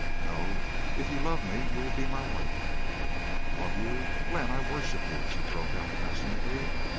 "No. If you love me you will be my wife." "Love you! Glenn, I worship you," she broke out, passionately.